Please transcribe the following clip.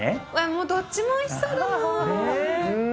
もうどっちもおいしそうだもん。